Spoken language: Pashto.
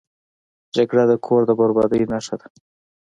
جګړه د کور د بربادۍ نښه ده